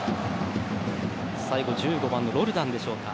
最後１５番のロルダンでしょうか。